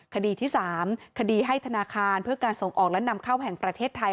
คดีที่๓คดีให้ธนาคารเพื่อการส่งออกและนำเข้าแห่งประเทศไทย